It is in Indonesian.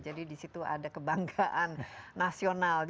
jadi di situ ada kebanggaan nasional